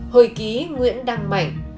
hồi ký nguyễn đăng mạnh